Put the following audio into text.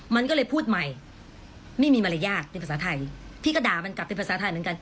มันก็เลยพูดใหม่ไม่มีมารยาทเป็นภาษาไทยพี่ก็ด่ามันกลับเป็นภาษาไทยเหมือนกัน